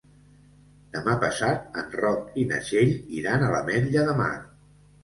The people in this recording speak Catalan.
Demà passat en Roc i na Txell iran a l'Ametlla de Mar.